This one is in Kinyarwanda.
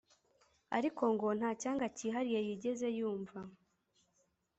ariko ngo nta cyanga cyihariye yigeze yumva